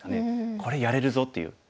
これやれるぞという。